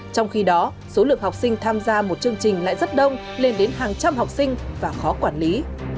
trong khi đó số lượng học sinh tham gia một chương trình lại rất đông lên đến hàng trăm học sinh và khó quản lý